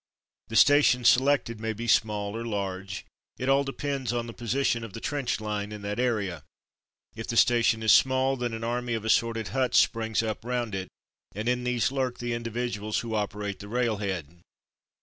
The station selected may be small or large; it all depends on the position of the trench line in that area. If the station is small, then an army of assorted huts springs up round it, and in these lurk the individ uals who operate the railhead.